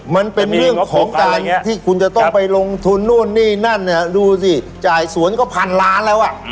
มันเป็นเรื่องของการที่คุณจะต้องไปลงทุนนู่นนี่นั่นเนี่ยดูสิจ่ายสวนก็พันล้านแล้วอ่ะ